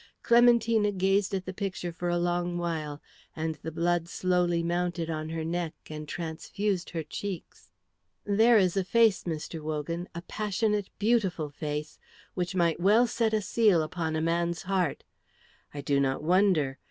Clementina gazed at the picture for a long while, and the blood slowly mounted on her neck and transfused her cheeks. "There is a face, Mr. Wogan, a passionate, beautiful face, which might well set a seal upon a man's heart. I do not wonder.